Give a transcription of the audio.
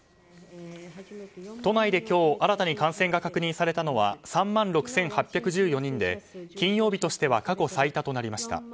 都内で今日、新たに感染が確認されたのは３万６８１４人で金曜日としては過去最多となりました。